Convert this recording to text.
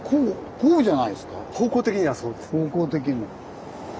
方向的にはそうですね。